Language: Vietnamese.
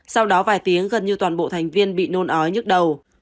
sau đó vài tiếng gần như toàn bộ thành viên bị nôn ói nhức đầu